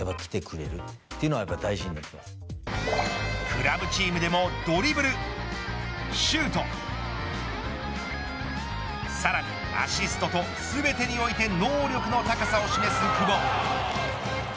クラブチームでも、ドリブルシュートさらにアシストと全てにおいて能力の高さを示す久保。